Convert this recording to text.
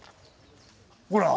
ほら！